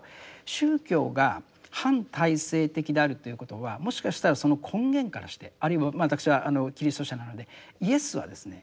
宗教が反体制的であるということはもしかしたらその根源からしてあるいは私はキリスト者なのでイエスはですね